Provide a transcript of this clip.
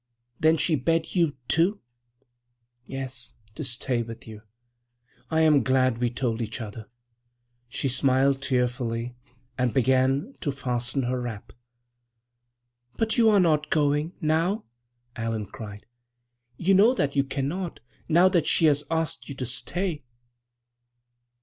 "Then she bade you, too——" "Yes, to stay with you. I am glad we told each other." She smiled tearfully and began to fasten her wrap. "But you are not going—now!" Allan cried. "You know that you cannot, now that she has asked you to stay."